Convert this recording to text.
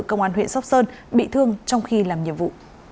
công an huyện sóc sơn bị thương trong khi làm nhiệm vụ